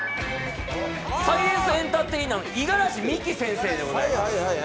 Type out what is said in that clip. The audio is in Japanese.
サイエンスエンターテイナーの五十嵐美樹先生でございます！